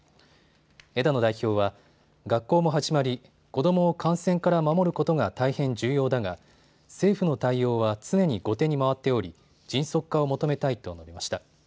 枝野代表は、学校も始まり、子どもを感染から守ることが大変重要だが政府の対応は常に後手に回っており、迅速化を求めたいと述べました。